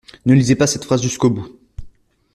Ne lisez pas cette phrase jusqu'au bout.